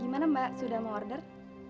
gimana mbak sudah mau order